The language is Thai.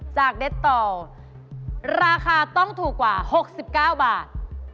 เด็ดต่อราคาต้องถูกกว่า๖๙บาท